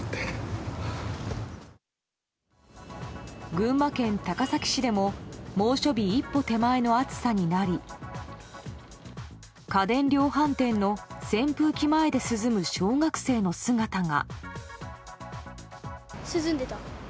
群馬県高崎市でも猛暑日一歩手前の暑さになり家電量販店の扇風機前で涼む小学生の姿が。